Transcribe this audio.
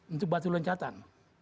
untuk batu loncatan